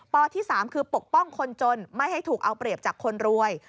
ที่๓คือปกป้องคนจนไม่ให้ถูกเอาเปรียบจากคนรวย